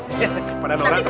eh pada norak